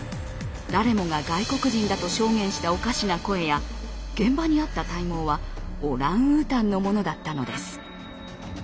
誰もが外国人だと証言したおかしな声や現場にあった体毛はオランウータンのものだったのです。